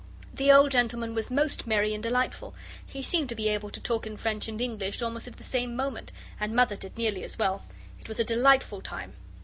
The old gentleman was most merry and delightful. He seemed to be able to talk in French and English almost at the same moment, and Mother did nearly as well. It was a delightful time.